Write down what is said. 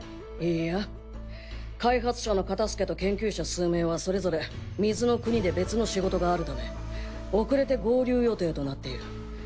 いいや開発者のカタスケと研究者数名はそれぞれ水の国で別の仕事があるため遅れて合流予定となっている。